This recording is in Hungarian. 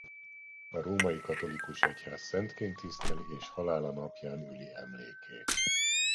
A római katolikus egyház szentként tiszteli és halála napján üli emlékét.